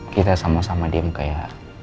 kita sama sama diem kayak